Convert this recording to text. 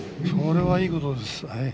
それはいいことです。